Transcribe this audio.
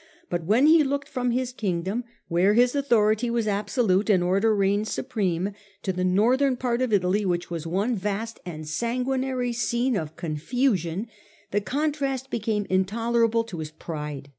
But when he looked from his Kingdom, where his authority was absolute and order reigned supreme, to the northern part of Italy, which was one vast and sanguinary scene of confusion, the contrast became intolerable to his pride.